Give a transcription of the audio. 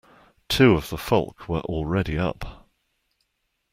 Two of the Folk were already up.